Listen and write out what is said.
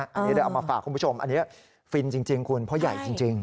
อันนี้เดี๋ยวเอามาฝากคุณผู้ชมอันนี้ฟินจริงคุณเพราะใหญ่จริง